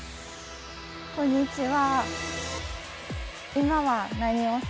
こんにちは。